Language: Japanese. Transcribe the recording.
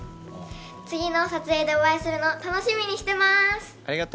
次の撮影でお会いするの、楽しみにしてまーす。